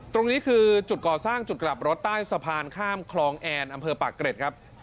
ตรงนี้คือจุดก่อสร้างจุดกลับรถใต้สะพานข้ามคลองแอนอำเภอปากเกร็ดครับ